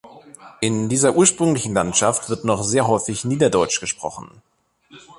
In dieser ursprünglichen Landschaft wird noch sehr häufig Niederdeutsch gesprochen.